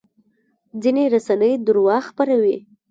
ځینې رسنۍ درواغ خپروي.